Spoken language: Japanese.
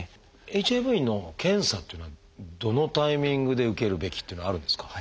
ＨＩＶの検査っていうのはどのタイミングで受けるべきっていうのはあるんですか？